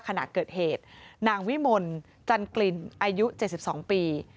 ขณะเกิดเหตุนางวิมลจันกลิ่นอายุ๗๒ปี